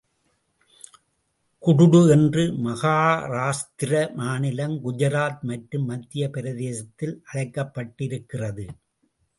குடுடு என்று மகாராஷ்டிர மாநிலம், குஜராத் மற்றும் மத்திய பிரதேசத்தில் அழைக்கப்பட்டிருக்கிறது.